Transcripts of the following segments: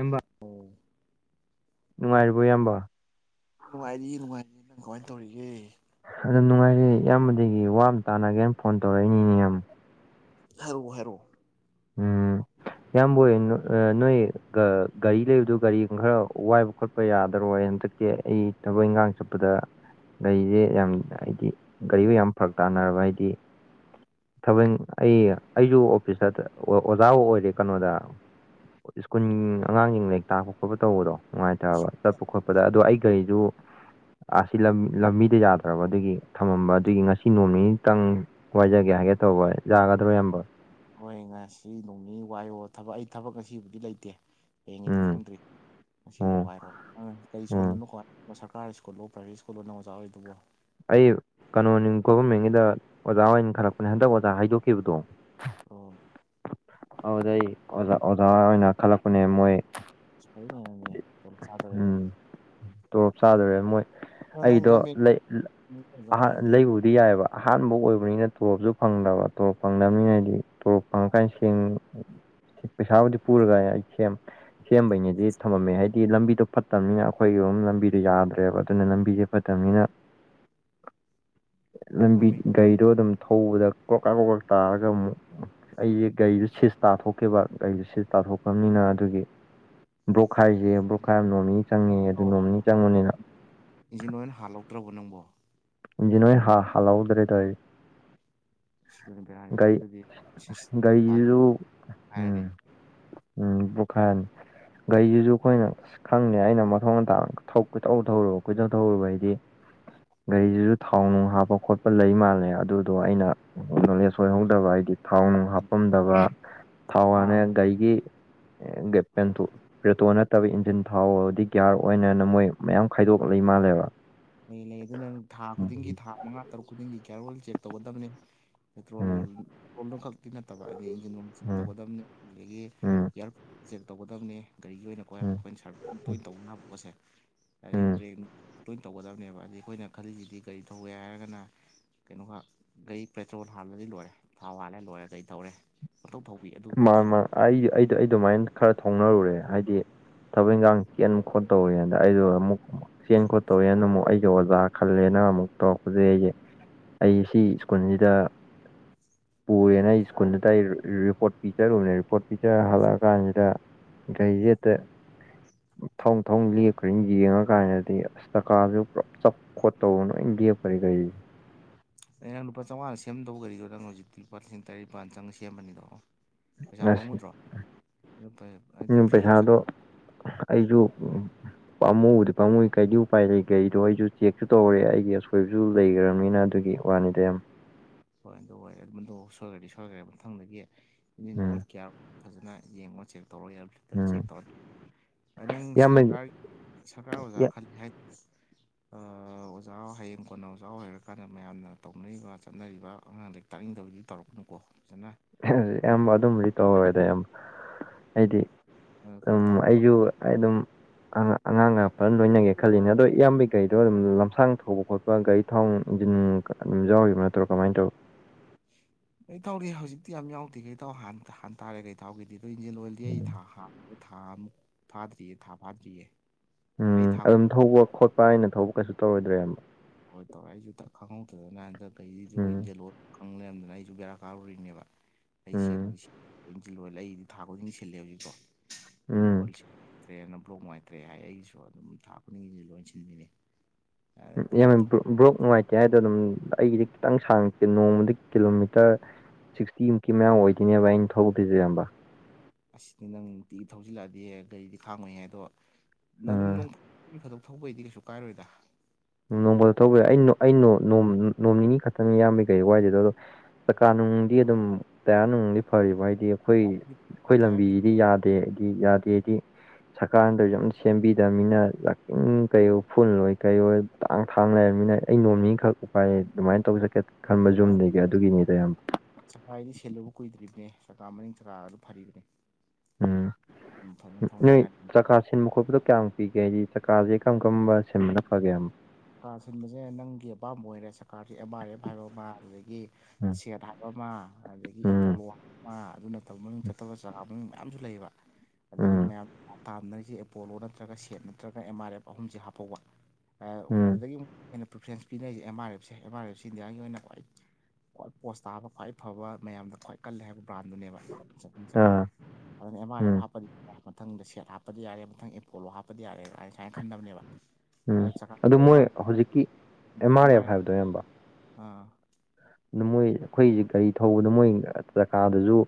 ꯏꯕ ꯅꯨꯡꯉꯥꯏꯔꯤꯕꯣ ꯏꯌꯥꯝꯕ ꯅꯨꯡꯉꯥꯏꯔꯤ ꯅꯨꯡꯉꯥꯏꯔꯤ ꯅꯪ ꯀꯃꯥꯏꯅ ꯇꯧꯔꯤꯒꯦ ꯑꯗꯨ ꯅꯨꯡꯉꯥꯏꯔꯦ ꯏꯌꯥꯝꯕꯗꯒꯤ ꯋꯥꯅ ꯇꯥꯟꯅꯒꯦꯅ ꯐꯣꯟ ꯇꯧꯔꯛꯏꯅꯤ ꯏꯅꯦ ꯌꯥꯝ ꯍꯥꯏꯔꯛꯑꯣ ꯍꯥꯏꯔꯛꯑꯣ ꯎꯝ ꯌꯥꯝꯌꯥꯝꯕꯣꯏ ꯅꯣꯏ ꯒꯥꯔꯤ ꯂꯩꯕꯗꯣ ꯒꯥꯔꯤ ꯈꯔ ꯋꯥꯏꯕ ꯈꯣꯠꯄ ꯌꯥꯗꯔꯣꯏ ꯍꯟꯇꯛ ꯑꯩ ꯊꯕꯛ ꯏꯪꯈꯥꯡ ꯆꯠꯄꯗ ꯒꯥꯔꯤꯁꯦ ꯌꯥꯝ ꯍꯥꯏꯗꯤ ꯒꯥꯔꯤꯕꯨ ꯌꯥꯝ ꯐꯔꯛ ꯇꯥꯅꯔꯕ ꯍꯥꯏꯗꯤ ꯊꯕꯜ ꯑꯩ ꯑꯩꯁꯨ ꯑꯣꯐꯤꯁꯇ ꯑꯣꯖꯥꯕꯨ ꯑꯣꯏꯔꯦ ꯀꯩꯅꯣꯗ ꯁ꯭ꯀꯨꯟ ꯑꯉꯥꯡꯁꯤꯡ ꯂꯔꯤꯛ ꯇꯥꯛꯄ ꯈꯣꯠꯄ ꯇꯧꯕꯗꯣ ꯅꯨꯡꯉꯥꯏꯇꯕ ꯆꯠꯄ ꯈꯣꯠꯄꯗ ꯑꯗꯣ ꯑꯩ ꯒꯥꯔꯤꯁꯨ ꯑꯁꯤ ꯂꯝꯕꯤꯗ ꯌꯥꯗ꯭ꯔꯕ ꯑꯗꯨꯒꯤ ꯊꯝꯃꯝꯕ ꯑꯗꯨꯒꯤ ꯉꯁꯤ ꯅꯣꯡꯅꯤꯅꯤꯇꯪ ꯋꯥꯏꯖꯒꯦ ꯍꯥꯏꯒꯦ ꯇꯧꯕ ꯌꯥꯒꯗ꯭ꯔꯣ ꯏꯌꯥꯝꯕ ꯍꯣꯏ ꯉꯁꯤ ꯅꯣꯡꯅꯤꯅꯤ ꯋꯥꯏꯌꯣ ꯊꯕꯛ ꯑꯩ ꯊꯕꯛ ꯉꯁꯤꯕꯨꯗꯤ ꯂꯩꯇꯦ ꯍꯌꯦꯡꯉꯤꯗꯤ ꯎꯝ ꯈꯪꯗ꯭ꯔꯤ ꯉꯁꯤꯗꯣ ꯎꯝ ꯋꯥꯏꯔꯣ ꯀꯔꯤ ꯎꯝ ꯁ꯭ꯀꯨꯜꯗꯅꯣ ꯈꯣꯠ ꯁꯔꯀꯥꯔ ꯁ꯭ꯀꯨꯜꯗꯣ ꯄ꯭ꯔꯥꯏꯕꯦꯠ ꯁ꯭ꯀꯨꯜꯅ ꯑꯣꯖꯥ ꯑꯣꯏ ꯑꯗꯨꯕꯨ ꯑꯩ ꯀꯩꯅꯣꯅꯤ ꯒꯣꯚꯔꯃꯦꯟꯒꯤꯗ ꯑꯣꯖꯥ ꯑꯣꯏꯅ ꯈꯜꯂꯛꯄꯅꯦ ꯍꯟꯗꯛ ꯑꯣꯖꯥ ꯍꯥꯏꯗꯣꯛꯈꯤꯕꯗꯣ ꯑꯣ ꯑꯗꯨ ꯑꯩ ꯑꯣꯖꯥ ꯑꯣꯖꯥ ꯑꯣꯏꯅ ꯈꯜꯂꯛꯄꯅꯦ ꯃꯣꯏ ꯎꯝ [unintelligible] ꯇꯣꯂꯣꯞ ꯆꯥꯗꯣꯔꯦ ꯃꯣꯏ ꯑꯗꯣ ꯅꯪ ꯑꯩꯗꯣ ꯒꯃꯦꯟ ꯂꯩ ꯂꯩ ꯑꯣꯖꯥ ꯑꯍꯥꯟ ꯑꯣꯏꯔꯗꯤ ꯂꯩꯕꯨꯗꯤ ꯗꯤ ꯌꯥꯏꯕ ꯑꯍꯥꯟꯕ ꯑꯣꯏꯕꯅꯤꯅ ꯇꯣꯣꯔꯣꯞꯁꯨ ꯐꯪꯗꯕ ꯇꯣꯣꯔꯣꯞ ꯐꯪꯗꯕꯅꯤꯅꯗꯤ ꯇꯣꯔꯣꯞ ꯐꯪꯉ ꯀꯥꯟ ꯁꯦꯡ ꯄꯩꯁꯥꯕꯗꯤ ꯄꯔꯒ ꯏꯦꯝ ꯁꯦꯝꯕꯩꯅꯤꯗꯤ ꯊꯝꯃꯝꯃꯦ ꯍꯥꯏꯗꯤ ꯂꯝꯕꯤꯗꯣ ꯐꯠꯇꯕꯅꯤꯅ ꯑꯩꯈꯣꯏꯒꯤꯝ ꯂꯝꯕꯤꯗꯣ ꯌꯥꯗ꯭ꯔꯦꯕ ꯑꯗꯨꯅ ꯂꯝꯕꯤꯁꯦ ꯃꯇꯝꯅꯤꯅ ꯂꯝꯕꯤ ꯒꯃꯦꯟ ꯒꯥꯔꯤꯗꯣ ꯑꯗꯨꯝ ꯊꯧꯕꯗ ꯀ꯭ꯔꯣꯛꯀꯛ ꯀꯣꯀꯛ ꯇꯥꯔꯒ ꯑꯃꯨꯛ ꯑꯩꯁꯦ ꯒꯥꯔꯤꯗꯨ ꯁꯤꯁ ꯇꯥꯊꯣꯛꯀꯦꯕ ꯒꯥꯔꯤꯁꯨ ꯁꯤꯁ ꯇꯥꯊꯣꯛꯈ꯭ꯔꯕꯅꯤꯅ ꯑꯗꯨꯒꯤ ꯕ꯭ꯔꯣꯛꯈꯥꯏꯁꯦ ꯕ꯭ꯔꯣꯛꯈꯥꯏ ꯑꯃ ꯅꯣꯡꯃꯅꯤ ꯆꯪꯉꯦ ꯑꯗꯨ ꯅꯣꯡꯃꯅꯤ ꯆꯪꯕꯅꯤꯅ ꯏꯟꯖꯤꯟ ꯂꯣꯏ ꯑꯣꯏꯅ ꯍꯥꯜꯂꯧꯛꯇ꯭ꯔꯕ ꯅꯪꯕꯣ ꯎꯟꯁꯤ ꯅꯣꯏ ꯍꯥ ꯍꯥꯜꯍꯧꯗ꯭ꯔꯦ ꯇꯣꯏꯁꯤ ꯁꯤꯗꯨꯅ ꯕꯦꯔꯥꯔꯤꯅꯤ ꯒꯥꯔꯤ ꯑꯗꯨꯗꯤ ꯁꯤꯁ ꯄꯥꯠ ꯒꯥꯔꯤꯁꯤꯁꯨ ꯎꯝ ꯍꯥꯏꯔꯅꯤ ꯎꯝ ꯄꯨꯈꯥꯟ ꯒꯥꯔꯤꯁꯤꯁꯨ ꯑꯩꯈꯣꯏꯅ ꯈꯪꯗꯦ ꯑꯩꯅ ꯃꯊꯣꯡ ꯑꯇꯥꯡ ꯀꯣꯏꯧ ꯊꯧꯔꯨꯕ ꯀꯣꯏꯊꯧ ꯊꯧꯔꯨꯕ ꯍꯥꯏꯗꯤ ꯒꯥꯔꯤꯁꯤꯁꯨ ꯊꯥꯎ ꯅꯨꯡ ꯍꯥꯞꯄ ꯈꯣꯠꯄ ꯂꯩ ꯃꯥꯜꯂꯦ ꯑꯗꯨꯗꯣ ꯑꯩꯅ ꯎꯝ ꯅꯣꯂꯦꯖ ꯑꯣꯏꯍꯧꯗꯕ ꯍꯥꯏꯗꯤ ꯊꯥꯎ ꯅꯨꯡ ꯍꯥꯞꯄꯝꯗꯕ ꯊꯥꯎ ꯊꯥ ꯍꯥꯟꯅ ꯒꯥꯢꯒꯤ ꯄꯦꯟꯊꯣꯛ ꯄꯦꯇ꯭ꯔꯣ ꯅꯠꯇꯕ ꯏꯟꯖꯤꯟ ꯊꯥꯎꯕꯗꯤ ꯒꯤꯌꯥꯔ ꯑꯣꯏꯟꯅ ꯃꯣꯏ ꯃꯌꯥꯝ ꯈꯥꯏꯗꯣꯛꯂ ꯏ ꯃꯥꯜꯂꯦꯕ ꯃ ꯂꯩ ꯑꯗꯨꯅ ꯊꯥ ꯈꯨꯗꯤꯡꯒꯤ ꯎꯝ ꯊꯥ ꯃꯉꯥ ꯇꯔꯨꯛ ꯈꯨꯗꯤꯡꯒꯤ ꯀꯦꯌꯥꯔꯣꯜ ꯆꯦꯛ ꯇꯧꯒꯗꯕꯅꯤ ꯄꯦꯇ꯭ꯔꯣꯜ ꯎꯝ ꯄꯦꯇ꯭ꯔꯣꯜꯗꯨ ꯈꯛꯇꯤ ꯅꯠꯇꯕ ꯍꯥꯏꯗꯤ ꯏꯟꯖꯤꯟ ꯟ ꯇꯧꯒꯗꯕꯅꯤ ꯑꯗꯒꯤ ꯎꯝ ꯌꯥꯔ ꯇꯧꯒꯗꯕꯅꯦ ꯒꯥꯔꯤꯒꯤ ꯑꯣꯏꯅꯀꯣ ꯎꯝ ꯑꯩꯈꯣꯏꯅ ꯁꯥꯔ ꯇꯣꯏꯅ ꯇꯧꯅꯕ ꯄꯣꯠꯁꯦ ꯑꯗꯒꯤ ꯎꯝ ꯕ꯭ꯔꯦꯛ ꯂꯣꯏꯅ ꯇꯧꯒꯗꯕꯅꯦꯕ ꯍꯥꯏꯗꯤ ꯑꯩꯈꯣꯏꯅ ꯈꯜꯂꯤꯁꯤꯗꯤ ꯀꯒꯥꯔꯤ ꯊꯧꯒꯦ ꯍꯥꯏꯔꯒꯅ ꯀꯩꯅꯣꯒ ꯒꯥꯩ ꯄꯦꯇ꯭ꯔꯣꯜ ꯍꯥꯜꯂꯗꯤ ꯂꯣꯏꯔꯦ ꯊꯥꯎ ꯍꯥꯜꯂꯦ ꯂꯣꯏꯔꯦ ꯀꯩ ꯇꯧꯔꯦ ꯄꯣꯇꯧ ꯊꯧꯕꯤ ꯑꯗꯨ ꯐꯠꯇꯦꯕ ꯑꯗꯨ ꯑꯩ ꯑꯗꯨꯃꯥꯏꯅ ꯈꯔ ꯊꯣꯡꯅꯔꯨꯔꯦ ꯍꯥꯏꯗꯤ ꯊꯕꯛ ꯏꯟꯈꯥꯡ ꯀꯦꯟ ꯈꯣꯠꯠꯇꯧꯔꯤꯦꯅ ꯑꯩꯗꯣ ꯑꯃꯨꯛ ꯆꯦꯟ ꯈꯣꯠꯇꯧꯋꯦꯅ ꯑꯃꯨꯛ ꯑꯩꯒ ꯑꯣꯖꯥ ꯈꯜꯂꯦꯅ ꯑꯃꯨꯛ ꯇꯧꯔꯛꯄꯁꯩ ꯑꯩꯁꯦ ꯑꯩ ꯁꯤ ꯁ꯭ꯀꯨꯜꯁꯤꯗ ꯄꯨꯔꯦꯅ ꯑꯩ ꯁ꯭ꯀꯨꯜꯗꯨꯗ ꯑꯩ ꯔꯤꯄꯣꯔꯠ ꯄꯤꯛꯆꯔ ꯎꯅꯔꯤ ꯄꯣꯠ ꯄꯤꯛꯆꯔ ꯍꯜꯂꯛꯑ ꯀꯥꯟꯁꯤꯗ ꯒꯥꯔꯤꯖꯦꯠꯇ ꯊꯧ ꯊꯧ ꯂꯦꯛꯞꯈ꯭ꯔꯅ ꯌꯦꯡꯉ ꯀꯥꯟꯗꯗꯤ ꯑꯁ ꯗꯀꯥꯁꯨ ꯄꯨꯂꯞ ꯆꯞ ꯈꯣꯠꯇꯧꯕ ꯂꯣꯏ ꯦꯞꯄꯔꯦ ꯀꯩꯁꯦ ꯑꯗꯩ ꯅꯪ ꯂꯨꯄꯥ ꯆꯥꯝꯉꯥ ꯁꯦꯝꯗꯧꯕ ꯒꯥꯗꯣ ꯅꯪ ꯍꯧꯖꯤꯛꯇꯤ ꯂꯨꯄꯥ ꯂꯤꯁꯤꯡ ꯇꯔꯥꯠꯅꯤꯄꯥꯥꯟ ꯆꯪꯒ ꯁꯦꯝꯕꯅꯤꯗꯣ ꯄꯩꯁꯥ ꯑꯁ ꯄꯥꯎꯃꯨꯗ꯭ꯔꯣ ꯍꯥꯏꯗꯤ ꯐ꯭ꯔꯤꯗ ꯄꯩꯁꯥ ꯑꯩꯁꯨꯣ ꯄꯥꯝꯃꯨꯗꯤ ꯄꯥꯃꯨ ꯀꯩꯗꯤ ꯎꯄꯥꯏ ꯂꯩ ꯀꯩꯗꯣ ꯑꯩꯁꯨ ꯆꯦꯛꯁꯨ ꯇꯧꯔꯦ ꯑꯩꯒꯤ ꯑꯁꯣꯏꯕꯁꯨ ꯂꯩꯈ꯭ꯔꯕꯅꯤꯅ ꯑꯗꯨꯒꯤ ꯋꯥꯅꯤ ꯗꯦꯝ ꯐꯣꯏꯅ ꯇꯗ ꯑꯣꯏꯦ ꯑꯗꯨꯗꯣ ꯁꯣꯏꯒꯔꯗꯤ ꯁꯔꯗꯤ ꯑꯃꯝ ꯎꯝ ꯊꯪꯗꯒꯦ ꯐꯖꯅ ꯌꯦꯡꯉꯣ ꯆꯦꯛ ꯇꯧꯔꯒ ꯌꯥ ꯎꯝ ꯆꯦꯛ ꯇꯧꯔꯅꯤ ꯅꯪ ꯏꯌꯥꯝꯕ ꯁꯔꯀꯥꯔ ꯁꯔꯀꯥꯔ ꯑꯣꯖꯥ ꯈꯜꯂꯤꯜꯂꯤ ꯍꯥꯏꯇꯥꯔꯦ ꯑꯣꯖꯥ ꯍꯌꯦꯡ ꯀꯣꯟꯅ ꯑꯣꯖꯥ ꯑꯣꯏꯔꯀꯥꯟꯗ ꯃꯌꯥꯝꯅ ꯇꯧꯅꯔꯤꯕ ꯆꯠꯅꯔꯤꯕ ꯑꯉꯥꯡ ꯂꯔꯤꯛ ꯇꯥꯛꯅꯤꯡꯗꯕꯗꯤ ꯇꯧꯔꯛꯄꯅꯨꯀꯣ ꯑꯌꯥꯝꯕ ꯑꯗꯨꯝꯗꯤ ꯇꯧꯍꯔꯣꯏꯗ ꯑꯌꯥꯝꯕ ꯑꯩꯗꯤ ꯀꯩꯅꯣ ꯑꯗꯨꯝ ꯇꯧꯔꯣꯕ ꯑꯩꯁꯨ ꯑꯩ ꯑꯗꯨꯝ ꯑꯉꯥꯡ ꯉꯥꯛ ꯐꯅ ꯂꯣꯏꯅꯒꯦ ꯈꯜꯂꯤꯅꯦ ꯑꯗꯣ ꯏꯌꯥꯝꯕ ꯀꯩꯗꯣ ꯑꯗꯨꯝ ꯂꯝꯁꯥꯡ ꯊꯧꯕ ꯈꯣꯠꯄ ꯒꯥꯔꯤ ꯊꯥꯎ ꯏꯟꯖꯤꯟ ꯑꯗꯨꯝ ꯌꯥꯎꯔꯤꯕ ꯅꯠꯇ꯭ꯔꯣ ꯀꯃꯥꯏꯅ ꯇꯧ ꯀ ꯇꯧꯔꯤ ꯍꯧꯖꯤꯛꯇꯤ ꯌꯥꯝ ꯌꯥꯎꯗꯦ ꯀꯩ ꯇꯧ ꯍꯥꯟ ꯍ ꯇꯥꯔꯦ ꯀꯩ ꯊꯥꯎꯒꯤꯗꯤ ꯑꯗꯣ ꯏꯟꯖꯤꯟ ꯑꯣꯏꯜꯗꯤ ꯑꯩ ꯊꯥ ꯊꯥ ꯑꯃꯨꯛ ꯐꯥꯗ꯭ꯔꯤꯌꯦ ꯊꯥ ꯐꯥꯗ꯭ꯔꯤꯌꯦ ꯑꯩ ꯎꯝ ꯊꯥ ꯑꯗꯨꯝ ꯊꯧꯕ ꯈꯣꯠꯄ ꯍꯥꯏꯅ ꯊꯧꯕ ꯀꯩꯁꯨ ꯇꯧꯔꯣꯏꯗ꯭ꯔꯦ ꯑꯃꯕꯣ ꯍꯣꯏ ꯇꯧꯔꯛꯏꯁꯨ ꯈꯪꯍꯧꯗꯗꯅ ꯍꯟꯗ ꯒꯥꯔꯤꯁꯨꯟ ꯎꯝ ꯌꯦꯜꯂꯣ ꯈꯪ ꯂꯩꯔꯝꯗꯅ ꯑꯩꯁꯨ ꯕꯦꯔꯥ ꯀꯥꯔꯨꯔꯤꯅꯦꯕ ꯑꯩ ꯎꯝ ꯁꯦꯝꯕꯗꯤꯁꯤꯜꯂ ꯑꯩ ꯊꯥ ꯈꯨꯗꯤꯡꯒꯤ ꯁꯤꯜꯂꯦ ꯍꯧꯖꯤꯛꯀꯣꯗ ꯎꯝ ꯋꯥꯔꯤ ꯇ꯭ꯔꯦꯅ ꯕ꯭ꯂꯣꯛ ꯉꯥꯏꯇ꯭ꯔꯦ ꯍꯥꯏ ꯑꯩꯒꯤꯁꯨ ꯑꯗꯨꯝ ꯊꯥꯛꯄꯅꯤꯒꯤꯁꯨ ꯂꯣꯏ ꯁꯤꯟꯕꯤꯅꯤ ꯌꯥꯝ ꯕ꯭ꯔꯣꯛ ꯅꯨꯡꯉꯥꯏꯇꯦ ꯍꯥꯏꯗꯣ ꯑꯗꯨꯝ ꯑꯩꯒꯤꯗꯤ ꯈꯤꯇꯪ ꯁꯥꯡꯉꯛꯇꯦ ꯅꯣꯡꯃꯗ ꯀꯤꯂꯣꯃꯤꯇꯔ ꯁꯤꯛꯁꯇꯤꯃꯨꯛꯀꯤ ꯃꯌꯥꯝ ꯑꯣꯏꯗꯣꯏꯅꯦꯕ ꯑꯩꯅ ꯊꯧꯗꯣꯏꯁꯦ ꯌꯥꯝ ꯑꯁꯤꯅꯤ ꯅꯪ ꯅꯨꯡꯇꯤ ꯊꯧꯖꯤꯜꯂꯛꯑꯗꯤ ꯒꯥꯔꯤꯗꯤ ꯈꯥꯡꯉꯣꯏ ꯍꯥꯏ ꯑꯗꯣ ꯎꯝ ꯑꯗꯨꯝ ꯊꯧꯕꯩꯗꯤ ꯀꯩꯁꯨ ꯀꯥꯏꯔꯣꯏꯗ ꯅꯣꯡ ꯐꯥꯗꯣꯛ ꯊꯧꯕꯩ ꯑꯩ ꯅꯣ ꯑꯩ ꯅꯣꯝ ꯅꯣꯝ ꯅꯣꯝ ꯅꯤꯅꯤ ꯈꯇꯅꯤ ꯏꯌꯥꯝꯕꯩ ꯒꯥꯔꯤ ꯋꯥꯏꯗꯣꯏꯗꯣ ꯑꯗꯣ ꯆꯀꯥ ꯅꯨꯡꯗꯤ ꯑꯗꯨꯝ ꯇꯌꯥꯔ ꯅꯨꯡꯗꯤ ꯐꯔꯤꯕ ꯍꯥꯏꯗꯤ ꯑꯩꯈꯣꯏ ꯑꯩꯈꯣꯏ ꯇꯌꯥꯔꯒꯤ ꯂꯝꯕꯤꯖꯤꯗꯤ ꯌꯥꯗ ꯇꯦ ꯑꯩꯗꯤ ꯌꯥꯗꯦꯗꯤ ꯁꯔꯀꯥꯔꯅ ꯇꯧꯔꯤꯖꯦ ꯑꯝ ꯁꯦꯝꯕꯤꯗꯕꯅꯤꯅ ꯖꯛꯀꯤꯡ ꯀꯩ ꯐꯨꯜꯂꯣꯏ ꯀꯩꯑꯣꯏ ꯇꯥꯡ ꯊꯥꯡ ꯂꯩꯔꯕꯃꯤꯅ ꯑꯩ ꯅꯣꯝꯃꯤꯈꯛ ꯎꯄꯥꯏꯌꯦ ꯑꯗꯨꯃꯥꯏꯅ ꯇꯧ ꯆꯠꯀꯦ ꯈꯟꯕ ꯖꯨꯝꯗꯒꯤ ꯑꯗꯨꯒꯤꯅꯤꯗ ꯏꯌꯥꯝꯕ ꯆꯀꯥꯏꯗꯤ ꯁꯦꯂꯨꯕ ꯀꯨꯏꯗ꯭ꯔꯤꯕꯅꯦ ꯆꯀꯥ ꯃꯔꯤꯡ ꯆꯀꯥ ꯑꯗꯨ ꯐꯔꯤꯕꯅꯦ ꯎꯝ ꯑꯗꯨꯝ ꯐꯖꯅ ꯊꯧꯅ ꯅ ꯌꯥꯔꯤ ꯆꯀꯥꯁ ꯁꯤꯟꯕ ꯈꯣꯠꯄꯗꯣ ꯀꯌꯥꯝꯨ ꯄꯤꯒꯦ ꯍꯥꯏꯗꯤ ꯆꯀꯥꯁꯦ ꯀꯔꯝ ꯀꯔꯝꯕ ꯁꯤꯟꯕꯅ ꯐꯒꯦꯛ ꯁꯔꯀꯥꯔ ꯁꯤꯟꯕꯁꯦ ꯅꯪꯒꯤ ꯑꯄꯥꯝꯕ ꯑꯣꯏꯔꯦ ꯁꯔꯀꯥꯔꯁꯤꯦ ꯑꯦꯝ ꯑꯥꯔ ꯑꯦꯐ ꯍꯥꯏꯕ ꯑꯃ ꯑꯗꯨꯗꯒꯤ ꯎꯝ ꯁꯦꯠ ꯍꯥꯏꯕ ꯑꯃ ꯑꯗꯒꯤ ꯎꯝ ꯑꯦꯄꯣꯂꯣ ꯍꯥꯏꯕ ꯑꯃ ꯑꯗꯨ ꯅꯠꯇꯕ ꯃꯃꯤꯡ ꯆꯠꯇꯕ ꯆꯥꯒꯥ ꯃꯃꯤ ꯃꯌꯥꯝꯁꯨ ꯂꯩꯕ ꯀꯗ ꯍꯧꯖꯤꯛ ꯎꯝ ꯃꯌꯥꯝ ꯇꯥꯝꯅꯔꯤꯁꯦ ꯑꯦꯄꯣꯂꯣ ꯅꯠꯇ꯭ꯔꯒ ꯁꯦꯠ ꯅꯠꯇ꯭ꯔꯒ ꯑꯦꯝ ꯑꯥꯔ ꯑꯦꯐ ꯑꯍꯨꯝꯁꯦ ꯍꯥꯞꯐꯧꯕ ꯎꯝ ꯑꯗꯨꯗꯒꯤ ꯑꯃꯨꯛ ꯑꯩꯅ ꯄ꯭ꯔꯤꯐ꯭ꯔꯦꯟꯁ ꯄꯤꯅꯔꯤꯁꯦ ꯑꯦꯝ ꯑꯥꯔ ꯑꯦꯐꯁꯦ ꯑꯦꯝ ꯑꯥꯔ ꯑꯦꯐꯁꯦ ꯏꯟꯗꯤꯌꯥꯒꯤ ꯑꯣꯏꯅ ꯈ꯭ꯋꯥꯏ ꯈ꯭ꯋꯥꯏ ꯄꯣꯁ ꯇꯥꯕ ꯈ꯭ꯋꯥꯏ ꯐꯕ ꯃꯌꯥꯝꯗ ꯈ꯭ꯋꯥꯏ ꯀꯜꯂꯦ ꯍꯥꯏꯕ ꯕ꯭ꯔꯥꯟꯗꯨꯅꯦꯕ ꯆꯨꯝ ꯆꯀꯥꯗ ꯑꯥ ꯑꯗꯨꯅ ꯑꯦꯝ ꯑꯥꯔ ꯑꯦꯐ ꯎꯝ ꯍꯥꯞꯄꯗꯤ ꯌꯥꯔꯦ ꯃꯊꯪꯗ ꯁꯦꯠ ꯍꯥꯞꯄꯗꯤ ꯌꯥꯔꯦ ꯃꯊꯪ ꯑꯦꯄꯣꯂꯣ ꯍꯥꯞꯄꯗꯤ ꯌꯥꯔꯦ ꯍꯥꯏꯖꯦ ꯀꯥꯏꯅ ꯈꯟꯗꯕꯅꯦꯕ ꯎꯝ ꯑꯗꯨ ꯃꯣꯏ ꯍꯧꯖꯤꯛꯀꯤ ꯑꯦꯝ ꯑꯥꯔ ꯑꯦꯐ ꯍꯥꯏꯕꯗꯣ ꯏꯌꯥꯝꯕ ꯑꯥ ꯑꯗꯨ ꯃꯣꯏ ꯑꯩꯈꯣꯏꯁꯦ ꯒꯥꯔꯤ ꯊꯧꯕꯗ ꯃꯣꯏ ꯆꯀꯥꯗꯖꯨ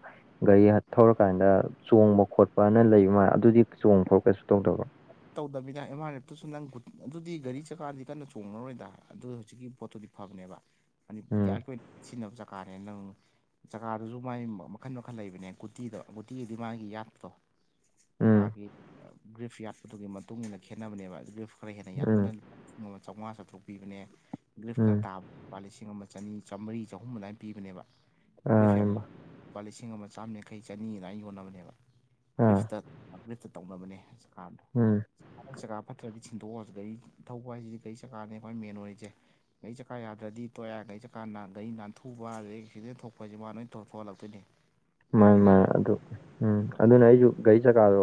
ꯒꯥꯔꯤ ꯊꯧꯔꯀꯥꯟꯗ ꯆꯣꯡꯕ ꯈꯣꯠꯄꯅ ꯂꯩꯕ ꯃꯥꯂꯦ ꯑꯗꯨꯗꯤ ꯆꯣꯡꯕ ꯈꯣꯠꯄ ꯀꯩꯁꯨ ꯇꯧꯗꯕ꯭ꯔꯣ ꯇꯧꯗꯃꯤꯗ ꯑꯦꯝ ꯑꯥꯔ ꯑꯦꯐꯇꯨꯁꯨ ꯅꯪ ꯒꯨ ꯑꯗꯨꯗꯤ ꯒꯥꯔꯤ ꯆꯀꯥꯗꯤ ꯀꯟꯅ ꯆꯣꯡꯉꯔꯣꯏꯗ ꯑꯗꯨ ꯍꯧꯖꯤꯛꯀꯤ ꯄꯣꯠꯇꯨꯗꯤ ꯐꯕꯅꯦꯕ ꯃꯅꯤ ꯎꯝ ꯒꯤꯌꯥꯔꯒꯤ ꯑꯣꯏꯅ ꯁꯤꯖꯤꯟꯅꯕ ꯆꯀꯥꯅꯦ ꯅꯪ ꯖꯀꯥꯗꯁꯨ ꯃꯥꯒꯤ ꯃꯈꯟ ꯃꯈꯟ ꯂꯩꯕꯅꯦ ꯒꯨꯇꯤꯗꯣ ꯒꯨꯇꯤꯑꯗꯤ ꯃꯥꯒꯤ ꯌꯥꯠꯄꯗꯣ ꯎꯝ ꯆꯀꯥꯒꯤ ꯒ꯭ꯔꯤꯐ ꯌꯥꯠꯄꯗꯨꯒꯤ ꯃꯇꯨꯡꯏꯟꯅ ꯈꯦꯠꯅꯕꯅꯦꯕ ꯒ꯭ꯔꯤꯐ ꯈꯔ ꯍꯦꯟꯅ ꯌꯥꯠꯄꯅ ꯎꯝ ꯂꯤꯁꯤꯡ ꯑꯃ ꯆꯧꯉꯥ ꯆꯥꯇ꯭ꯔꯨꯛ ꯄꯤꯕꯅꯦ ꯒ꯭ꯂꯤꯞ ꯈꯔ ꯎꯝ ꯇꯥꯕ ꯂꯨꯄꯥ ꯂꯤꯁꯤꯡ ꯑꯃ ꯆꯅꯤ ꯆꯥꯝꯕꯔꯤ ꯆꯍꯨꯝ ꯑꯗꯨꯃꯥꯏꯅ ꯄꯤꯕꯅꯦꯕ ꯑꯥ ꯒ꯭ꯔꯤꯐ ꯌꯥꯝ ꯏꯃꯥ ꯂꯨꯄꯥ ꯂꯤꯁꯤꯡ ꯑꯃ ꯆꯥꯝꯃ ꯌꯥꯡꯈꯩ ꯆꯅꯤ ꯑꯗꯨꯃꯥꯏꯅ ꯌꯣꯟꯅꯕꯅꯦꯕ ꯑꯥ ꯒ꯭ꯔꯤꯐꯁꯇ ꯑꯞꯒ꯭ꯔꯦꯠꯇ ꯇꯧꯅꯕꯅꯦ ꯆꯀꯥꯗꯣ ꯎꯝ ꯐꯠ ꯂꯥꯎꯅ ꯆꯀꯥ ꯐꯠꯇ꯭ꯔꯗꯤ ꯁꯤꯟꯇꯣꯛꯑꯣ ꯍꯧꯖꯤꯛ ꯒꯥꯔꯤ ꯊꯧꯕ ꯍꯥꯏꯁꯤꯗꯤ ꯒꯥꯔꯤ ꯆꯀꯥꯅꯦ ꯈ꯭ꯋꯥꯏ ꯃꯦꯟ ꯑꯣꯏꯔꯤꯖꯦ ꯒꯥꯔꯤ ꯆꯀꯥ ꯌꯥꯗ꯭ꯔꯗꯤ ꯇꯣꯛꯑꯦ ꯒꯥꯔꯤ ꯆꯀꯥ ꯅꯥꯟ ꯒꯥꯔꯤ ꯅꯥꯟꯊꯨꯕ ꯑꯗꯒꯤ ꯑꯦꯛꯁꯤꯗꯦꯟ ꯊꯣꯛꯄꯥꯏꯖꯤ ꯃꯥ ꯂꯣꯏ ꯇꯧ ꯊꯣꯛꯍꯜꯂꯛꯇꯣꯏꯅꯤ ꯃꯥꯅꯤ ꯃꯥꯅꯦ ꯑꯗꯨ ꯎꯝ ꯊꯧꯕꯤꯕ ꯑꯗꯨꯅ ꯑꯩꯁꯨ ꯒꯥꯔꯤ ꯆꯀꯥꯗꯣ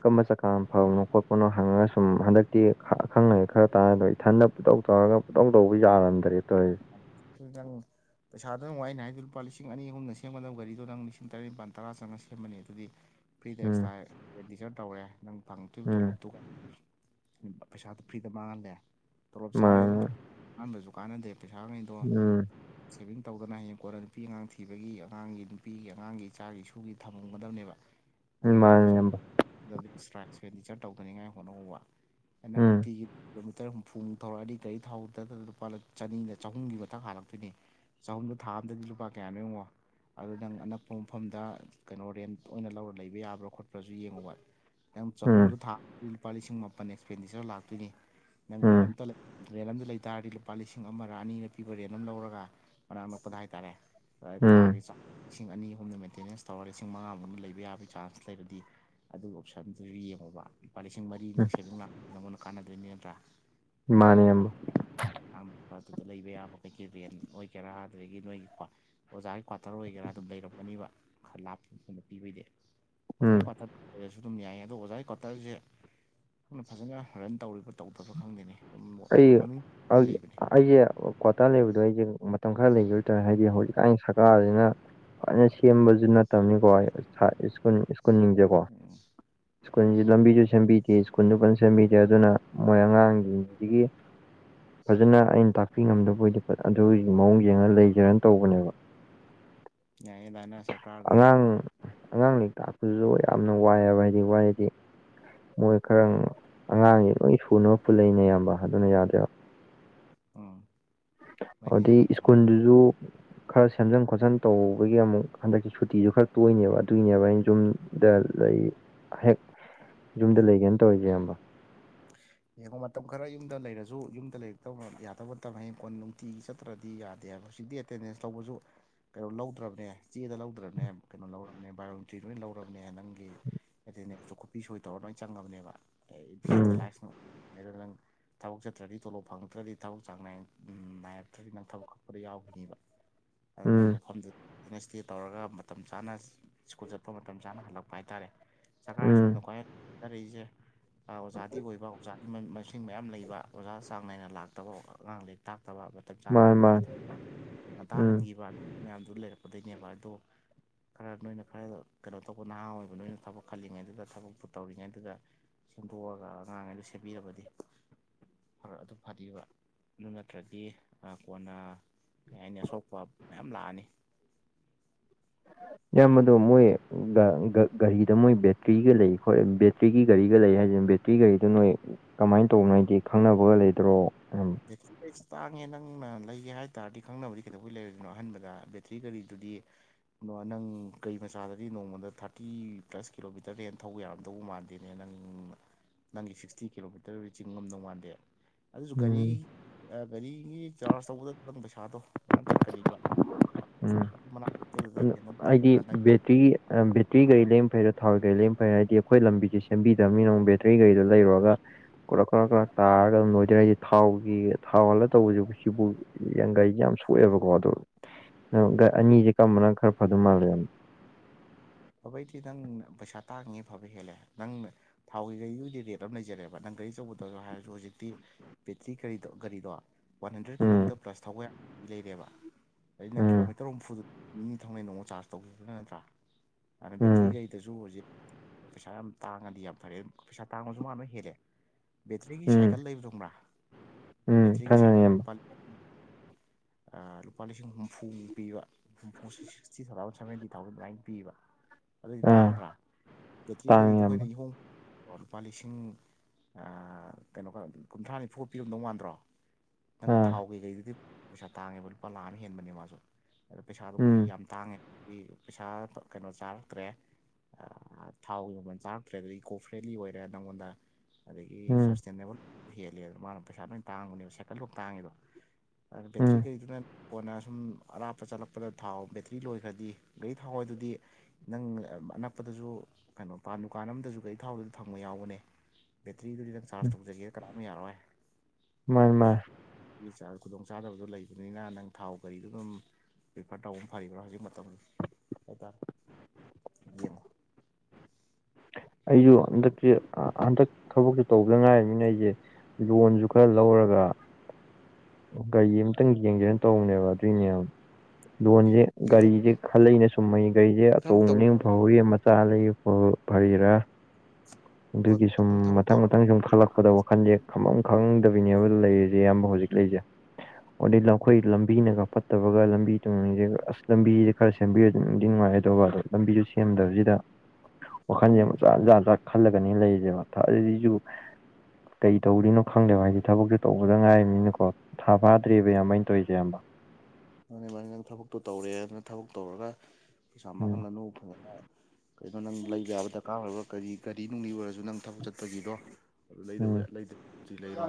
ꯀꯔꯝꯕ ꯆꯀꯥꯅ ꯐꯕꯅꯣ ꯈꯣꯠꯄꯅꯣ ꯍꯪꯉꯒ ꯁꯨꯝ ꯍꯟꯗꯛꯇꯤ ꯈ ꯑꯈꯪ ꯑꯍꯩ ꯈꯔ ꯇꯥꯅꯗ꯭ꯔ ꯏꯊꯟꯗ ꯄꯨꯡꯇꯧ ꯇꯧꯔꯒ ꯄꯨꯡꯇꯧ ꯇꯧꯕ ꯌꯥꯔꯝꯗꯦ ꯇꯧꯔꯤꯖꯦ ꯑꯗꯨꯗꯤ ꯅꯪ ꯄꯩꯁꯥꯗꯨ ꯌꯦꯡꯉꯨ ꯑꯩꯅ ꯍꯥꯏꯗꯤ ꯂꯨꯄꯥ ꯂꯤꯁꯤꯡ ꯑꯅꯤ ꯑꯍꯨꯝꯅ ꯁꯦꯝꯒꯗꯕ ꯒꯥꯔꯤꯗꯣ ꯅꯪ ꯂꯤꯁꯤꯡ ꯇꯔꯦꯠ ꯅꯤꯄꯥꯜ ꯇꯔꯥ ꯆꯪꯉ ꯁꯦꯝꯃꯅꯤ ꯑꯗꯨꯗꯤ ꯐ꯭ꯔꯤꯗ ꯎꯝ ꯑꯦꯛꯁꯇ꯭ꯔꯥ ꯗꯤ ꯈꯔ ꯇꯧꯔꯦ ꯅꯪ ꯐꯪꯇꯣꯏꯕ ꯎꯝ ꯇꯣꯂꯣꯞꯇꯨ ꯄꯩꯁꯥꯗꯣ ꯐ꯭ꯔꯤꯗ ꯃꯥꯡꯍꯜꯂꯦ ꯇꯣꯂꯣꯞ ꯆꯥꯔꯦ ꯑꯗꯨꯅ ꯃꯥꯅꯦ ꯍꯟꯕꯖꯨ ꯀꯥꯟꯅꯗꯦ ꯄꯩꯁꯥꯈꯩꯗꯣ ꯎꯝ ꯁꯦꯚꯤꯡ ꯇꯧꯗꯅ ꯍꯌꯦꯡ ꯀꯣꯟꯅ ꯅꯨꯄꯤ ꯑꯉꯥꯡ ꯊꯤꯕꯒꯤ ꯑꯉꯥꯡꯒꯤ ꯅꯨꯄꯤꯒꯤ ꯑꯉꯥꯡꯒꯤ ꯏꯆꯥꯒꯤ ꯏꯁꯨꯒꯤ ꯊꯝꯃꯝꯒꯗꯕꯅꯦꯕ [unintelligible] ꯑꯗꯨ ꯅꯪ ꯄꯩꯁꯥ ꯏꯌꯥꯝꯕ ꯗꯜꯗꯤ ꯑꯦꯛꯁꯇ꯭ꯔꯥ ꯑꯦꯛꯁꯄꯦꯟꯗꯤꯆꯔ ꯇꯧꯗꯅꯤꯡꯉꯥꯏ ꯍꯣꯠꯅꯧꯍꯧꯕ ꯅꯪ ꯎꯝ ꯅꯨꯡꯇꯤꯒꯤ ꯀꯤꯂꯣꯃꯤꯇꯔ ꯍꯨꯝꯐꯨꯃꯨꯛ ꯊꯧꯔꯛꯑꯗꯤ ꯒꯥꯔꯤ ꯊꯧꯗꯗ ꯂꯨꯄꯥ ꯆꯅꯤꯅ ꯆꯍꯨꯝꯒꯤ ꯃꯊꯛ ꯍꯥꯜꯂꯛꯇꯣꯏꯅꯦ ꯆꯍꯨꯝꯗꯣ ꯊꯥ ꯑꯝꯗꯗꯤ ꯂꯨꯄꯥ ꯀꯌꯥꯅꯣ ꯌꯦꯡꯉꯣ ꯑꯗꯨ ꯅꯪ ꯑꯅꯛꯄ ꯃꯐꯝꯗ ꯀꯩꯅꯣ ꯔꯦꯟ ꯑꯣꯏꯅ ꯂꯧꯔ ꯂꯩꯕ ꯌꯥꯕ꯭ꯔꯥ ꯈꯣꯠꯄ꯭ꯔꯥꯖꯨ ꯌꯦꯡꯉꯣꯕ ꯅꯪ ꯎꯝ ꯆꯍꯨꯝꯗꯣ ꯊꯥ ꯂꯨꯄꯥ ꯂꯤꯁꯤꯡ ꯃꯥꯄꯟ ꯑꯦꯛꯁꯄꯦꯟꯗꯤꯆꯔ ꯂꯥꯛꯇꯣꯏꯅꯤ ꯅꯪ ꯔꯦꯟ ꯎꯝ ꯑꯃꯝꯇ ꯔꯦꯟ ꯑꯝꯗ ꯂꯩꯇꯥꯥꯔꯗꯤ ꯂꯨꯄꯥ ꯂꯤꯁꯤꯡ ꯑꯃꯔꯥ ꯑꯅꯤꯔꯥ ꯄꯤꯕ ꯔꯦꯟ ꯑꯃ ꯂꯧꯔꯒ ꯃꯅꯥꯛ ꯅꯛꯄꯗ ꯍꯥꯏꯇꯥꯔꯦ ꯑꯗꯥ ꯎꯝ ꯊꯥꯒꯤ ꯆꯥꯛ ꯂꯤꯁꯤꯡ ꯑꯅꯤ ꯑꯍꯨꯝꯗ ꯃꯦꯟꯇꯦꯅꯦꯟꯁ ꯇꯧꯔꯒ ꯂꯤꯁꯤꯡ ꯃꯉꯥ ꯃꯅꯨꯡ ꯂꯩꯕ ꯌꯥꯕꯩ ꯆꯥꯟꯁ ꯂꯩꯔꯗꯤ ꯑꯗꯨ ꯑꯣꯞꯁꯟꯗꯨꯁꯨ ꯌꯦꯡꯉꯣꯕ ꯂꯨꯄꯥ ꯂꯤꯁꯤꯡ ꯃꯔꯤꯅ ꯎꯝ ꯁꯦꯕꯤꯡ ꯂꯥꯛ ꯅꯪꯉꯣꯟꯗ ꯀꯥꯟꯅꯗꯣꯏꯅꯦ ꯅꯠꯇꯔꯥ ꯏꯃꯥꯟꯅꯦꯕ ꯌꯥꯝ ꯑꯗꯨꯗ ꯂꯩꯕ ꯌꯥꯕ ꯀꯩꯀꯩ ꯔꯦꯟ ꯑꯣꯏꯒꯦꯔꯥ ꯑꯗꯨꯗꯒꯤ ꯅꯣꯏꯒꯤꯀꯣ ꯑꯣꯖꯥꯒꯤ ꯀ꯭ꯋꯥꯇꯔ ꯑꯣꯏꯒꯦꯔꯥ ꯑꯗꯨꯝ ꯂꯩꯔꯝꯒꯅꯤꯕ ꯈꯔ ꯂꯥꯞꯄ ꯃꯐꯝꯗꯥ ꯄꯤꯕꯩꯗꯤ ꯎꯝ ꯑꯣꯖꯥꯒꯤ ꯀ꯭ꯋꯥꯇꯔ ꯂꯩꯔꯁꯨ ꯑꯗꯨꯝ ꯌꯥꯏ ꯑꯗꯣ ꯑꯣꯖꯥꯒꯤ ꯀ꯭ꯋꯥꯇꯔꯁꯦ ꯀꯨꯞꯅ ꯐꯖꯅ ꯔꯟ ꯇꯧꯔꯤꯕ ꯇꯧꯗꯕ ꯈꯪꯗꯦꯅꯦ ꯑꯗꯨꯝ ꯑꯩꯒꯤ ꯃꯃꯤꯡ ꯑꯥꯒꯤ ꯂꯩꯕꯅꯦ ꯑꯩꯒꯤ ꯑꯣ ꯀ꯭ꯋꯥꯇꯥꯔ ꯂꯩꯕꯗꯣ ꯑꯩꯖꯦ ꯃꯇꯝ ꯈꯔ ꯂꯩꯒꯤꯕꯇꯥꯥꯔꯦ ꯍꯥꯏꯗꯤ ꯍꯧꯖꯤꯛꯀꯥꯟꯒꯤ ꯁꯔꯀꯥꯔꯖꯤꯅ ꯐꯖꯅ ꯁꯦ ꯁꯦꯝꯕꯖꯨ ꯅꯠꯇꯕꯅꯤꯀꯣ ꯑꯩ ꯁꯥ ꯁꯀ꯭ꯨꯜ ꯁ꯭ꯀꯨꯜꯖꯤꯡꯖꯦꯀꯣ ꯎꯝ ꯁ꯭ꯀꯨꯜꯁꯤ ꯂꯝꯕꯤꯖꯨ ꯁꯦꯝꯕꯤꯗꯦ ꯁ꯭ꯀꯨꯜꯖꯨ ꯐꯖꯟ ꯁꯦꯝꯕꯤꯗꯦ ꯑꯗꯨꯅ ꯃꯣꯏ ꯑꯉꯥꯡꯒꯤ ꯁꯤꯒꯤ ꯐꯖꯅ ꯑꯩꯅ ꯇꯥꯛꯄꯤ ꯉꯝꯗꯕꯣꯏꯗꯤ ꯐꯠ ꯑꯗꯨꯒꯤ ꯃꯑꯣꯡ ꯌꯦꯡꯉꯒ ꯂꯩꯖꯤꯔꯥꯅ ꯇꯧꯕꯅꯦꯕ ꯇꯥꯕ ꯉꯝꯗꯕ ꯌꯥꯏꯌꯦ ꯗꯥꯏꯅꯥ ꯁꯔꯀꯥꯔꯒꯤ ꯑꯉꯥꯡ ꯂꯩꯔꯤꯛ ꯇꯥꯛꯄꯗꯨꯁꯨ ꯌꯥꯝꯅ ꯋꯥꯏꯑꯕ ꯍꯥꯏꯗꯤ ꯋꯥꯏꯌꯦꯗꯤ ꯃꯣꯏ ꯈꯔ ꯑꯉꯥꯡꯁꯦ ꯂꯣꯏ ꯁꯨꯅꯕ ꯄꯨꯜꯂꯛꯏꯅꯦ ꯑꯌꯥꯝꯕ ꯑꯗꯨꯅ ꯌꯥꯗꯦꯕ ꯎꯝ ꯍꯣꯏꯅꯦ ꯑꯗꯨꯗꯤ ꯑꯗꯨꯒꯤꯅꯦ ꯁ꯭ꯀꯨꯜꯗꯨꯁꯨ ꯈꯔ ꯁꯦꯝꯖꯤꯟ ꯈꯣꯠꯆꯟ ꯇꯧꯕꯒꯤ ꯑꯃꯨꯛ ꯍꯟꯗꯛꯀꯤ ꯁꯨꯇꯤꯁꯨ ꯈꯔ ꯇꯣꯏꯅꯦꯕ ꯑꯗꯨꯏꯅꯦꯕ ꯑꯩꯅ ꯁꯨꯝ ꯗ ꯂꯩ ꯍꯦꯛ ꯌꯨꯝꯗ ꯂꯩꯒꯦꯅ ꯇꯧꯔꯤꯁꯦ ꯑꯡꯕ ꯌꯦꯡꯉꯣ ꯃꯇꯝ ꯈꯔ ꯌꯨꯝꯗ ꯂꯩꯔꯁꯨ ꯌꯨꯝꯗ ꯂꯩꯔꯛꯇꯕ ꯌꯥꯗꯕ ꯃꯇꯝ ꯍꯌꯦꯡ ꯀꯣꯟ ꯅꯨꯡꯇꯤꯒꯤ ꯆꯠ ꯅꯠꯇ꯭ꯔꯗꯤ ꯌꯥꯗꯦ ꯍꯥꯏꯕꯥ ꯍꯧꯖꯤꯛꯇꯤ ꯑꯦꯇꯦꯟꯗꯦꯟꯁ ꯂꯧꯕꯁꯨ ꯀꯩꯅꯣ ꯂꯧꯗ꯭ꯔꯕꯅꯦ ꯆꯦꯗ ꯂꯧꯗ꯭ꯔꯕꯅꯦ ꯀꯩꯅꯣ ꯂꯧꯔꯕꯅꯦ ꯕꯥꯏꯑꯣꯃꯤꯇꯔꯤ ꯂꯣꯏ ꯂꯧꯔꯕꯅꯦ ꯅꯪꯒꯤ ꯑꯦꯇꯦꯟꯗꯦꯁꯇꯨ ꯈꯨꯄꯤ ꯁꯣꯏ ꯇꯧꯔ ꯂꯣꯏ ꯆꯪꯉꯕꯅꯦꯕ ꯑꯩ ꯎꯝ ꯚꯤꯖꯤꯇꯦꯂꯥꯏꯁ ꯑꯗꯨ ꯅꯪ ꯊꯕꯛ ꯆꯠꯇ꯭ꯔꯗꯤ ꯇꯣꯂꯣꯞ ꯐꯪꯉꯛꯇ꯭ꯔꯗꯤ ꯊꯕꯛ ꯆꯥꯡ ꯅꯥꯏ ꯅꯥꯏꯔꯛꯇ꯭ꯔꯗꯤ ꯅꯪ ꯊꯕꯛ ꯀꯛꯄꯗ ꯌꯥꯎꯈꯤꯅꯤꯕ [unintelligible] ꯑꯗꯨꯅ ꯃꯐꯝꯗꯨ ꯐꯖꯥꯅ ꯁꯇꯦꯞ ꯇꯧꯔꯒ ꯃꯇꯝ ꯆꯥꯅ ꯁ꯭ꯀꯨꯜ ꯆꯠꯄ ꯃꯇꯝ ꯆꯥꯅ ꯍꯜꯂꯛꯄ ꯍꯥꯏꯇꯥꯔꯦ ꯁꯔꯀꯥꯔ ꯎꯝ ꯁ꯭ꯀꯨꯜꯅ ꯈ꯭ꯋꯥꯏ ꯑꯔꯩꯁꯦ ꯑꯥ ꯑꯣꯖꯥꯗꯤ ꯑꯣꯏꯕ ꯑꯣꯖꯥꯒꯤ ꯃꯁꯤꯡ ꯃꯌꯥꯝ ꯂꯩꯕ ꯑꯣꯖꯥ ꯆꯥꯡ ꯅꯥꯏꯅ ꯂꯥꯛꯇꯕ ꯑꯉꯥꯡ ꯂꯩꯔꯤꯛ ꯇꯥꯛꯇꯕ ꯃꯇꯝ ꯆꯥꯅ ꯃꯥꯅꯤ ꯃꯥꯅꯤ ꯍꯟꯈꯤꯗꯣꯏ ꯉꯟꯇꯥ ꯎꯝ ꯍꯟꯈꯤꯕ ꯃꯌꯥꯝꯗꯨ ꯂꯩꯔꯛꯄꯗꯩꯅꯦꯕ ꯑꯗꯣ ꯈꯔ ꯅꯣꯏꯅ ꯈꯔ ꯀꯩꯅꯣ ꯇꯧꯕ ꯅꯍꯥ ꯑꯣꯏꯕ ꯅꯣꯏꯅ ꯊꯕꯛ ꯈꯜꯂꯤꯉꯩꯗꯨꯗ ꯊꯕꯛꯇꯨ ꯇꯧꯔꯤꯉꯩꯗꯨꯗ ꯁꯦꯝꯗꯣꯛꯑꯒ ꯑꯉꯥꯡꯈꯩꯗꯨ ꯁꯦꯝꯕꯤꯔꯕꯗꯤ ꯐꯔ ꯑꯗꯨ ꯐꯥꯗꯤꯕ ꯑꯗꯨ ꯅꯠꯇ꯭ꯔꯗꯤ ꯑꯥ ꯀꯣꯟꯅ ꯀꯩ ꯍꯥꯏꯅꯤ ꯑꯁꯣꯛꯄ ꯃꯌꯥꯝ ꯂꯥꯛꯑꯅꯤ ꯏꯌꯥꯝꯕꯗꯣ ꯃꯣꯏ ꯒꯥꯔꯤꯗ ꯃꯣꯏ ꯕꯦꯇ꯭ꯔꯤꯒ ꯂꯩ ꯈꯣꯏ ꯕꯦꯇ꯭ꯔꯤꯒꯤ ꯒꯥꯔꯤꯒ ꯂꯩ ꯍꯥꯏꯖꯦ ꯕꯦꯠ ꯇꯤ ꯒꯥꯔꯤꯗꯨ ꯅꯣꯏ ꯀꯃꯥꯏꯅ ꯇꯧꯕꯅꯣ ꯍꯥꯏꯗꯤ ꯈꯪꯅꯕꯒ ꯂꯩꯗ꯭ꯔꯣ ꯎꯝ ꯕꯦꯇ꯭ꯔꯤ ꯀꯩ ꯇꯥꯡꯉꯦ ꯅꯪꯅ ꯂꯩꯒꯦ ꯍꯥꯏ ꯇꯥꯔꯗꯤ ꯈꯪꯅꯕꯗꯤ ꯀꯩꯗꯧꯕꯩ ꯂꯩꯔꯣꯏꯗꯣꯏꯅꯣ ꯑꯍꯟꯕꯗ ꯕꯦꯠꯇ꯭ꯔꯤ ꯒꯥꯔꯤꯗꯨꯗꯤ ꯑꯗꯣ ꯅꯪ ꯀꯩ ꯃꯆꯥꯗꯗꯤ ꯅꯣꯡꯃꯗ ꯊꯥꯔꯇꯤ ꯄ꯭ꯂꯁ ꯀꯤꯂꯣꯃꯤꯇꯔꯗ ꯍꯦꯅ ꯊꯧꯕ ꯌꯥꯔꯝꯗꯧꯕ ꯃꯥꯟ ꯗꯦꯅꯦ ꯅꯪꯅ ꯅꯪꯒꯤ ꯁꯤꯛꯁꯇꯤ ꯀꯤꯂꯣꯃꯤꯇꯔ ꯆꯤꯡꯉꯝꯗꯧ ꯃꯥꯟꯗꯦ ꯑꯗꯨ ꯎꯝ ꯒꯥꯔꯤ ꯒꯥꯔꯤꯒꯤ ꯆꯥꯔꯖ ꯇꯧꯕꯗ ꯈꯤꯇꯪ ꯄꯩꯁꯥꯗꯣ ꯌꯥꯝ ꯆꯠꯀꯅꯤꯕ ꯎꯝ ꯃꯅꯥꯛꯇꯗꯗꯥ ꯀꯩꯅꯣꯝ ꯂꯧꯔꯥ ꯅꯪ ꯇꯔꯤꯒꯤ ꯑꯥ ꯕꯦ꯭ꯠꯇꯔꯤꯒꯤ ꯒꯥꯔꯤ ꯂꯩꯃꯥ ꯐꯩꯌꯦ ꯊꯋꯥꯎꯒꯥꯔꯤ ꯂꯩꯝ ꯐꯩ ꯍꯥꯏꯗꯤ ꯑꯩꯈꯣꯏ ꯂꯝꯕꯤꯁꯤ ꯁꯦꯝꯕꯤꯗꯕꯅꯤꯅ ꯕꯦꯠ ꯑꯩꯒꯤ ꯒꯥꯔꯤꯗꯨ ꯂꯩꯔꯨꯔꯒ ꯀꯣꯔꯣꯛ ꯈꯔꯛ ꯒꯔꯛ ꯇꯥꯔꯒ ꯑꯗꯨꯝ ꯂꯣꯏꯗꯔꯏꯁꯦ ꯊꯥꯎꯒꯤ ꯊꯥꯎ ꯍꯥꯜꯂ ꯇꯧꯕꯁꯤ ꯕꯤꯁꯤꯝꯄꯨꯔ ꯌꯥꯡꯒꯩ ꯁꯦ ꯌꯥꯝ ꯁꯣꯛꯑꯦꯕꯀꯣ ꯑꯗꯣ ꯅꯪꯉꯣꯟꯗ ꯑꯅꯤꯁꯦ ꯀꯝꯕꯅ ꯈꯔ ꯐꯥꯗꯧ ꯃꯥꯜꯒꯦ ꯐꯕꯩꯗꯤ ꯅꯪ ꯄꯩꯁꯥ ꯇꯥꯡꯉꯤ ꯐꯕꯩ ꯍꯦꯜꯂꯦ ꯅꯪꯅ ꯊꯥꯎꯒꯤ ꯒꯥꯔꯤꯒꯤꯗꯤ ꯔꯦꯠ ꯑꯃ ꯂꯩꯖꯔꯦꯕ ꯅꯪ ꯒꯥꯔꯤ ꯑꯆꯧꯕꯗ ꯍꯥꯏꯔꯁꯨ ꯍꯧꯖꯤꯛꯇꯤ ꯕꯦꯇ꯭ꯔꯤ ꯀꯔꯤꯗꯣ ꯒꯥꯔꯤꯗꯣ one hundred um kilometre plus ꯊꯧꯕꯥꯌꯥꯏꯜ ꯂꯩꯔꯦꯕ ꯗꯩꯗꯤꯅꯪ ꯎꯝ ꯀꯤꯂꯣꯃꯤꯠ ꯇꯔꯨꯛ ꯍꯨꯝꯐꯨꯗ ꯃꯤꯅꯤ ꯊꯅ ꯅꯣꯡꯃ ꯆꯥꯔꯖ ꯇꯧꯈꯤꯕ꯭ꯔꯥ ꯅꯠꯇ꯭ꯔꯥ ꯑꯗꯨꯅ ꯎꯝ ꯕꯦꯇ꯭ꯔꯤꯈꯩꯗꯁꯨ ꯍꯧꯖꯤꯛ ꯄꯩꯁꯥ ꯌꯥꯝ ꯇꯥꯡꯉꯗꯤ ꯌꯥꯝ ꯐꯔꯦ ꯄꯩꯁꯥ ꯇꯥꯡꯕꯁꯨ ꯃꯥꯅ ꯍꯦꯜꯂꯦ ꯕꯦꯇ꯭ꯔꯤꯒꯤ ꯎꯝ ꯁꯥꯏꯀꯜ ꯂꯩꯕꯗꯣꯕ꯭ꯔꯥ ꯎꯝ ꯕꯦꯇ꯭ꯔꯤꯒꯤ ꯈꯪꯉꯦ ꯁꯥꯏꯀꯜꯗ ꯏꯌꯥꯝꯕ ꯂꯨꯄꯥ ꯂꯨꯄꯥ ꯂꯤꯁꯤꯡ ꯍꯨꯝꯐꯨꯃ ꯄꯤꯕ ꯍꯨꯝꯐꯨ ꯁꯤꯛꯁꯇꯤ ꯊꯥꯎꯖꯟ ꯁꯕꯦꯟꯇꯤ ꯊꯥꯎꯖꯟ ꯑꯗꯨꯃꯥꯏꯅ ꯄꯤꯕ ꯑꯗꯨꯗꯤ ꯑꯥ ꯇꯥꯡꯒꯗ꯭ꯔꯥ ꯀꯦꯇ꯭ꯔꯤ ꯇꯥꯡꯉꯦ ꯒꯥꯔꯤꯗꯣ ꯑꯩꯈꯣꯏꯅ ꯏꯌꯥꯝꯕ ꯏꯍꯣꯡ ꯂꯨꯄꯥ ꯂꯤꯁꯤꯡ ꯀꯩꯅꯣꯒ ꯀꯨꯟꯊ꯭ꯔꯥ ꯅꯤꯐꯨꯒ ꯄꯤꯔꯝꯗꯧ ꯃꯥꯟꯗ꯭ꯔꯣ ꯅꯪ ꯑꯥ ꯊꯥꯎ ꯀꯩꯀꯩꯗꯨꯗꯤ ꯄꯩꯁꯥ ꯇꯥꯡꯉꯦꯕ ꯂꯨꯄꯥ ꯂꯥꯛ ꯑꯃ ꯍꯦꯟꯕꯅꯦꯕ ꯃꯥꯁꯨ ꯑꯗ ꯄꯩꯁꯥꯗꯣ ꯃꯣꯏ ꯎꯝ ꯌꯥꯝ ꯇꯥꯡꯉꯦ ꯑꯩ ꯄꯩꯁꯥ ꯀꯩꯅꯣ ꯆꯥꯔꯦ ꯇ꯭ꯔꯦ ꯊꯥꯎꯒ ꯆꯥꯔꯛꯇ꯭ꯔꯦ ꯑꯗꯨꯗꯩꯩ ꯏꯀꯣ ꯐ꯭ꯔꯦꯟꯂꯤ ꯑꯣꯏꯔꯦ ꯅꯪꯉꯣꯟꯗ ꯑꯗꯒꯤ ꯎꯝ ꯁꯁꯇꯦꯅꯦꯕꯜ ꯍꯦꯜꯂꯦꯕ ꯃꯥꯅ ꯄꯩꯁꯥ ꯂꯣꯏ ꯇꯥꯡꯕꯅꯦꯕ ꯁꯥꯏꯀꯜ ꯕꯨꯛ ꯇꯥꯡꯉꯤꯗꯣ ꯕꯦꯇ꯭ꯔꯤ ꯎꯝ ꯀꯔꯤꯗꯨꯅ ꯀꯣꯟꯅ ꯁꯨꯝ ꯑꯔꯥꯞꯄ ꯆꯠꯂꯛꯄꯗ ꯊꯥꯎ ꯕꯦꯇ꯭ꯔꯤ ꯂꯣꯏꯈ꯭ꯔꯗꯤ ꯒꯥꯔꯤ ꯊꯋꯥꯎ ꯑꯗꯨꯗꯤ ꯅꯪ ꯑꯅꯛꯄꯗꯁꯨ ꯀꯩꯅꯣ ꯄꯥꯟ ꯗꯨꯀꯥꯟ ꯑꯃꯝꯗꯁꯨ ꯀꯔꯤ ꯊꯥꯎꯗ ꯊꯪꯕ ꯌꯥꯎꯒꯅꯦ ꯕꯦꯇ꯭ꯔꯤꯗꯨꯗꯤ ꯅꯪ ꯆꯥꯔꯖ ꯇꯧꯖꯒꯦꯗ ꯀꯅꯥꯝꯅ ꯌꯥꯔꯣꯏ ꯃꯥꯥꯏ ꯃꯥ ꯈꯨꯗꯣꯡꯆꯥꯥꯗꯕꯗꯣ ꯂꯩꯕꯅꯤꯅ ꯅꯪ ꯊꯥꯎ ꯀꯔꯤꯗꯨꯣ ꯑꯗꯨꯝ ꯔꯤꯐꯔ ꯇꯧꯕ ꯑꯃ ꯐꯔꯤꯕ꯭ꯔꯥ ꯍꯧꯖꯤꯛ ꯃꯇꯝ ꯍꯥꯏꯇꯥꯔꯦ ꯌꯦꯣ ꯑꯩꯁꯨ ꯍꯟꯗꯛꯀꯤ ꯍꯟꯗꯛ ꯊꯕꯛꯛꯇꯨ ꯇꯧꯕꯗ ꯉꯥꯏꯔꯕꯃꯤꯅ ꯑꯩꯁꯦ ꯂꯣꯟꯁꯨ ꯈꯔ ꯂꯧꯔꯒ ꯑꯣ ꯒꯥꯔꯤ ꯑꯃꯇꯪ ꯌꯦꯡꯁꯦꯅ ꯇꯧꯕꯅꯦꯕ ꯑꯗꯨꯏꯅꯦ ꯌꯥꯝ ꯂꯣꯟꯁꯦ ꯌꯦꯡꯉꯨ ꯒꯥꯔꯤꯁꯦ ꯈꯜꯂꯛꯏꯩꯅ ꯁꯨꯝꯃꯩ ꯒꯥꯔꯤꯁꯦ ꯊꯕꯛ ꯇꯧ ꯑꯆꯧꯕ ꯐꯧꯒꯤ ꯃꯆꯥ ꯂꯩ ꯐꯔꯤꯔꯥ ꯑꯗꯨꯒꯤ ꯁꯨꯝ ꯅꯪ ꯊꯕꯛ ꯃꯊꯪ ꯇꯧꯔ ꯃꯊꯪ ꯁꯨꯝ ꯈꯜꯂꯛꯀꯗꯕ ꯋꯥꯈꯜ ꯌꯦꯦꯛ ꯈꯝꯐꯝ ꯈꯪꯗꯕꯤꯅꯦꯕ ꯂꯩꯔꯤꯁꯦ ꯏꯌꯥꯝꯕ ꯍꯧꯖꯤꯛ ꯂꯩꯁꯦ ꯑꯗꯩ ꯑꯩꯈꯣꯏ ꯂꯝꯕꯤꯅꯒ ꯐꯠꯇꯕꯒ ꯂꯝꯕꯤ ꯊꯣꯡꯁꯦ ꯑꯁ ꯂꯝꯕꯤꯁꯦ ꯈꯔ ꯁꯦꯝꯕꯤꯔꯗꯤꯅꯨꯡꯗꯤ ꯅꯨꯡꯉꯥꯏ ꯇꯧꯕ ꯑꯗꯣ ꯂꯝꯕꯤꯗꯨ ꯁꯦꯝꯗꯕꯁꯤꯗ ꯋꯥꯈꯜꯁꯦ ꯎꯝ ꯃꯆꯥꯖ ꯆꯥꯛ ꯈꯜꯂꯒꯅꯤ ꯂꯩꯔꯤꯁꯦꯕ ꯑꯗꯨꯗꯤꯁꯨ ꯀꯩ ꯇꯧꯔꯤꯅꯣ ꯈꯪꯗꯦꯕ ꯍꯥꯏꯁꯦ ꯊꯕꯛꯇꯨ ꯇꯧꯕꯗ ꯉꯥꯏꯃꯤꯅꯀꯣ ꯊꯥ ꯐꯥꯗ꯭ꯦꯔꯤꯕꯕ ꯏꯌꯥꯝꯃꯥꯏꯩꯅ ꯇꯧꯔꯤꯁꯦ ꯑꯕ ꯃꯥꯅꯤ ꯃꯥꯅꯤ ꯅꯪ ꯊꯕꯛꯇꯣ ꯇꯧꯔꯦ ꯑꯗꯨꯅ ꯊꯕꯛ ꯇꯧꯔꯒ ꯄꯩꯁꯥ ꯎꯝ ꯃꯥꯡꯍꯜꯂꯅꯨ ꯐꯖꯅ ꯀꯩꯅꯣ ꯅꯪ ꯂꯩꯕ ꯌꯥꯕ ꯗꯔꯀꯥꯔ ꯑꯣꯏꯔꯕ ꯀꯔꯤ ꯒꯥꯔꯤ ꯅꯨꯡꯂꯤ ꯑꯣꯏꯔꯁꯨ ꯅꯪ ꯊꯕꯛ ꯆꯠꯄꯒꯤꯔꯣ ꯑꯗꯨ ꯂꯩꯕ ꯎꯝ ꯂꯩ ꯂꯩꯔꯣ